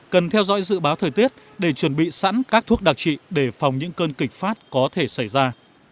cần theo dõi dự báo thời tiết để chuẩn bị sẵn các thuốc đặc trị để phòng những cơn kịch phát có thể xảy ra